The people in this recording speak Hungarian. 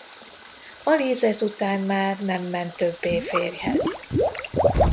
Alíz ezután már nem ment többé férjhez.